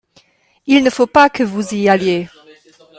Il ne faut pas que vous y alliez.